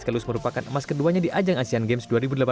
kelus merupakan emas keduanya di ajang asean games dua ribu delapan belas